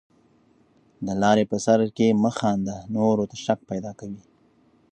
د لاري په سر کښي مه خانده، نورو ته شک پیدا کوې.